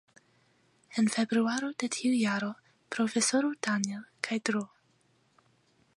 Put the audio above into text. En februaro de tiu jaro, Profesoro Daniel kaj Dro.